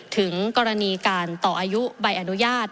ถึงกรณีการต่ออายุใบอนุญาต